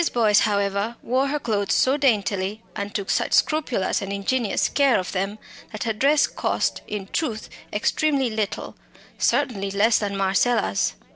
Boyce, however, wore her clothes so daintily, and took such scrupulous and ingenious care of them, that her dress cost, in truth, extremely little certainly less than Marcella's.